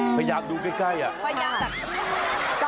พยายามดูใกล้อ่ะ